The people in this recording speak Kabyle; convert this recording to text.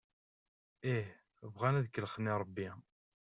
Ih, bɣan ad kellxen i Rebbi.